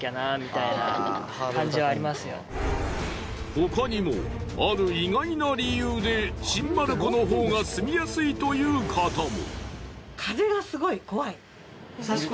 他にもある意外な理由で新丸子のほうが住みやすいという方も。